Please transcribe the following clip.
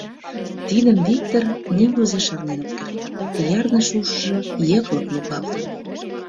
Тидым Виктыр нигузе шарнен ок керт, ярныше ушыжо йыклык лугалтын.